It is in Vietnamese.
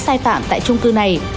sai phạm tại trung cư này